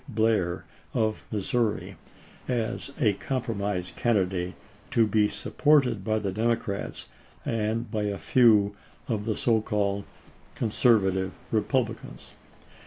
Blair of Missouri as a compromise candidate to be sup ported by the Democrats and by a few of the so called Conservative Republicans.